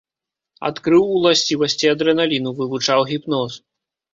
Адкрыў уласцівасці адрэналіну, вывучаў гіпноз.